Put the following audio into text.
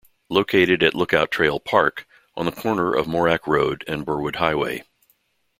Located at Lookout Trail Park, on the corner of Morack Road and Burwood Highway.